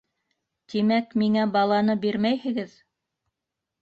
Тимәк, миңә баланы бирмәйһегеҙ?